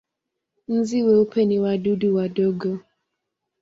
Nzi weupe ni wadudu wadogo.